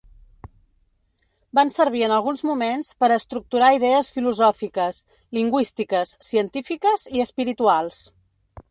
Van servir en alguns moments per a estructurar idees filosòfiques, lingüístiques, científiques i espirituals.